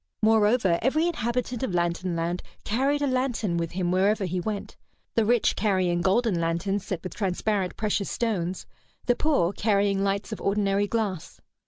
Moreover, every inhabitant of Lantern Land carried a lantern with him wherever he went, the rich carrying golden lanterns set with transparent precious stones, the poor carrying lights of ordinary glass.